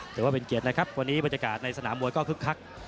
ถือว่าเป็นเกียรตินะครับวันนี้บรรยากาศในสนามมวยก็คึกคัก